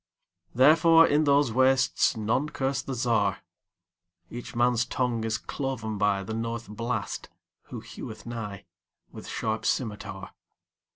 Therefore, in those wastesNone curse the Czar.Each man's tongue is cloven byThe North Blast, who heweth nighWith sharp scymitar.